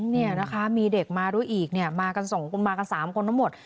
เนี่ยนะคะมีเด็กมาด้วยอีกเนี่ยมากันสองคนมากัน๓คนทั้งหมด